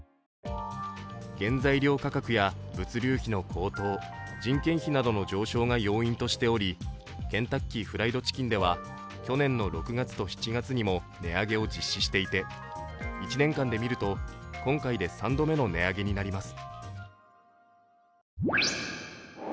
原材料価格や物流費の高騰、人件費などの上昇が要因としておりケンタッキー・フライド・チキンでは、去年の６月と７月にも値上げを実施していて１年間でみると今回で３度目の値上げになります。